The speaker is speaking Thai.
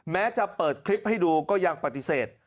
แม้จะเปิดคลิปให้ดูก็ยังปฏิเสธ